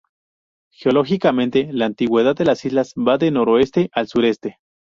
Geológicamente, la antigüedad de las islas va de noroeste al sureste.